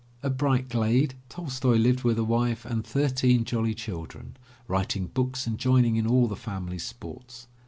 At Bright Glade Tolstoy lived with a wife and thirteen jolly children, writing books and joining in all the family sports.